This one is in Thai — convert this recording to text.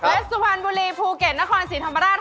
และสุพรรณบุรีภูเก็ตนครศรีธรรมราช